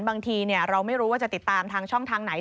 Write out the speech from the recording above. บางทีเราไม่รู้ว่าจะติดตามทางช่องทางไหน